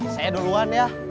saya duluan ya